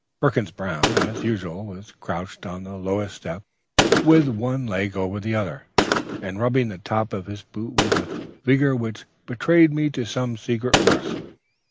Perkins Brown, as usual, was crouched on the lowest step, with one leg over the other, and rubbing the top of his boot with a vigor which betrayed to me some secret mirth.